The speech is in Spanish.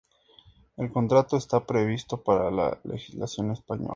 El contrato está previsto para la legislación española.